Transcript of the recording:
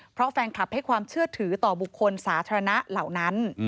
เพราะแฟนคลับให้ความเชื่อถือต่อบุคคลสาธารณะเหล่านั้น